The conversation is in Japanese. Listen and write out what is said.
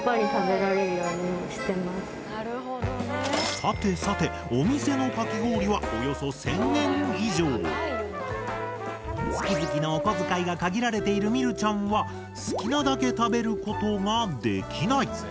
さてさてお店のかき氷は月々のお小遣いが限られている美瑠ちゃんは好きなだけ食べることができない！